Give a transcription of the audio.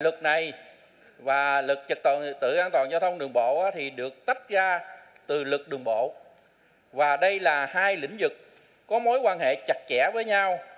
luật này và lực trật tự an toàn giao thông đường bộ thì được tách ra từ luật đường bộ và đây là hai lĩnh vực có mối quan hệ chặt chẽ với nhau